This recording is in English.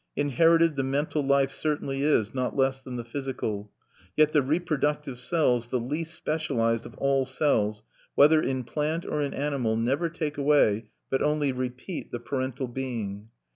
Inherited the mental life certainly is, not less than the physical; yet the reproductive cells, the least specialized of all cells, whether in plant or in animal, never take away, but only repeat the parental being.